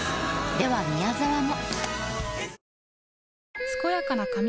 では宮沢も。